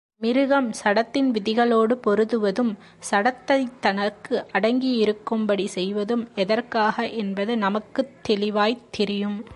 மிருகம் சடத்தின் விதிகளோடு பொருதுவதும், சடத்தைத் தனக்கு அடங்கியிருக்கும்படி செய்வதும் எதற்காக என்பது நமக்குத் தெளிவாய்த் தெரியும்.